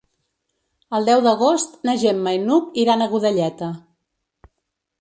El deu d'agost na Gemma i n'Hug iran a Godelleta.